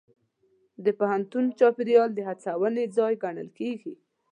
د پوهنتون چاپېریال د هڅونې ځای ګڼل کېږي.